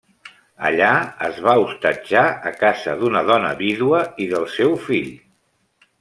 Allà es va hostatjar a casa d'una dona viuda i del seu fill.